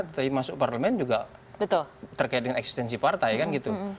tapi masuk parlemen juga terkait dengan eksistensi partai kan gitu